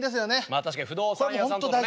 まあ確かに不動産屋さんとのね。